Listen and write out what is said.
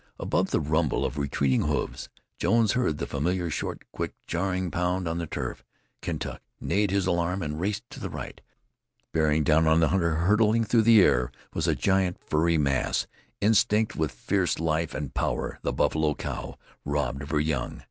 Above the rumble of retreating hoofs, Jones heard the familiar short, quick, jarring pound on the turf. Kentuck neighed his alarm and raced to the right. Bearing down on the hunter, hurtling through the air, was a giant furry mass, instinct with fierce life and power a buffalo cow robbed of her young.